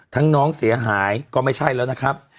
น้องเสียหายก็ไม่ใช่แล้วนะครับ